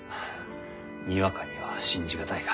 にわかには信じ難いが。